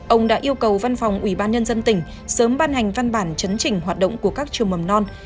ông đã yêu cầu văn phòng ủy ban nhân dân tỉnh sớm ban hành văn bản chấn chỉnh hoạt động của các trường mầm non